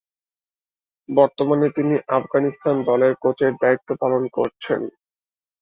বর্তমানে তিনি আফগানিস্তান দলের কোচের দায়িত্ব পালন করছেন।